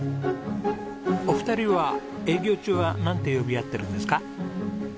お二人は営業中はなんて呼び合ってるんですか？